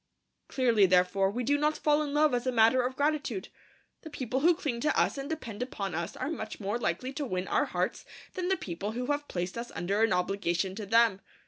Clearly, therefore, we do not fall in love as a matter of gratitude. The people who cling to us and depend upon us are much more likely to win our hearts than the people who have placed us under an obligation to them.